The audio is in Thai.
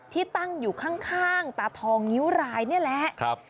ที่ตั้งอยู่ข้างตาทองนิ้วรายนี่แหละ